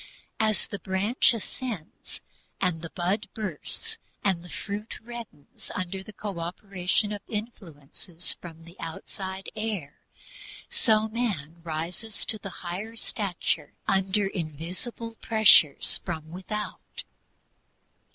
As the branch ascends, and the bud bursts, and the fruit reddens under the co operation of influences from the outside air, so man rises to the higher stature under invisible pressures from without.